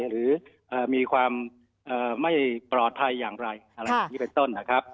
หรือมีความไม่ปลอดภัยอย่างไรนี่เป็นต้นเลยครับ